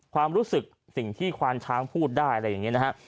ความรู้สึกสิ่งที่ควานช้างพูดได้อะไรอย่างนี้นะฮะ